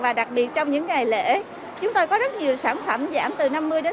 và đặc biệt trong những ngày lễ chúng tôi có rất nhiều sản phẩm giảm từ năm mươi